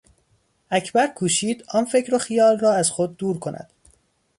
اکبر کوشید آن فکر و خیال را از خود دور کند.